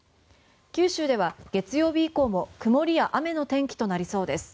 九州では月曜日以降も曇りや雨の天気となりそうです。